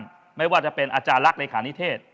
ไม่ว่าจะเป็นอาจารย์ลักษ์เลขานิเทศ